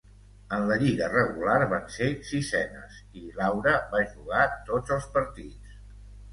En la lliga regular van ser sisenes, i Laura va jugar tots els partits.